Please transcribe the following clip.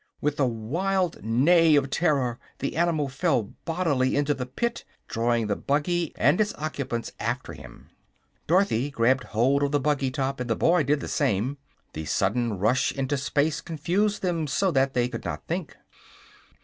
With a wild neigh of terror the animal fell bodily into the pit, drawing the buggy and its occupants after him. Dorothy grabbed fast hold of the buggy top and the boy did the same. The sudden rush into space confused them so that they could not think.